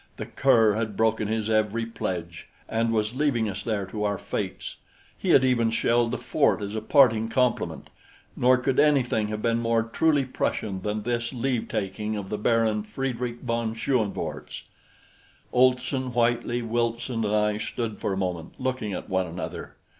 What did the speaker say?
The cur had broken his every pledge and was leaving us there to our fates. He had even shelled the fort as a parting compliment; nor could anything have been more truly Prussian than this leave taking of the Baron Friedrich von Schoenvorts. Olson, Whitely, Wilson, and I stood for a moment looking at one another.